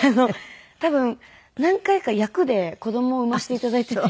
多分何回か役で子供を産ませて頂いていて。